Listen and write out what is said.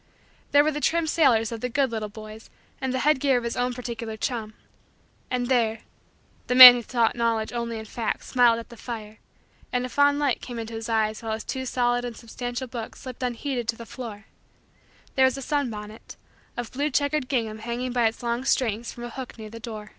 There were the trim sailors of the good little boys and the head gear of his own particular chum. And there the man who sought Knowledge only in facts smiled at the fire and a fond light came into his eyes while his too solid and substantial hook slipped unheeded to the floor there was a sunbonnet of blue checkered gingham hanging by its long strings from a hook near the window.